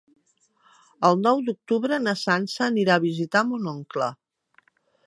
El nou d'octubre na Sança anirà a visitar mon oncle.